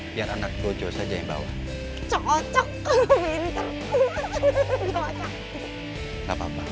biar anak gue saja yang bawa cocok